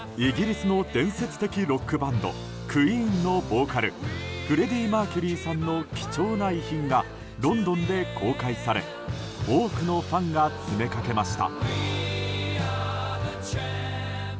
イギリスの伝説的ロックバンドクイーンのボーカルフレディ・マーキュリーさんの貴重な遺品がロンドンで公開され多くのファンが詰めかけました。